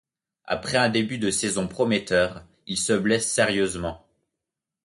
Après un début de saison prometteur, il se blesse sérieusement.